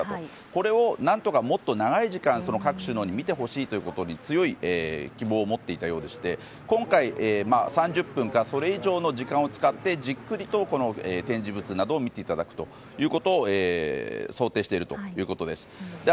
これを何とかもっと長い時間、各首脳に見てほしいと強い希望を持っていたようでして今回、３０分かそれ以上の時間を使ってじっくりと展示物などを見ていただくことを想定しているということです。